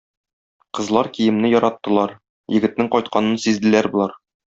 Кызлар киемне яраттылар, егетнең кайтканын сизделәр болар.